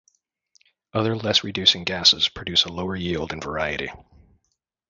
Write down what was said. Other less reducing gases produce a lower yield and variety.